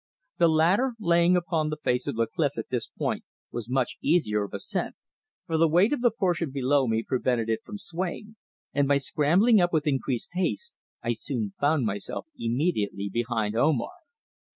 The ladder laying upon the face of the cliff at this point was much easier of ascent, for the weight of the portion below me prevented it from swaying, and by scrambling up with increased haste I soon found myself immediately behind Omar.